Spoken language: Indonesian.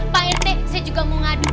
pak rt saya juga mau ngadu